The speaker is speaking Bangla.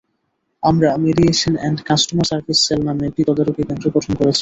আমরা mediation and customer service cell নামে একটি তদারকি কেন্দ্র গঠন করেছি।